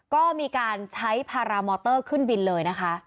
ก็มีการใช้พารามอเตอร์ขึ้นบินเลยนะคะ